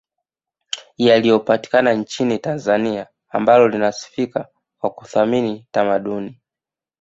yanayopatikana nchini Tanzania ambalo linasifika kwa kuthamini tamaduni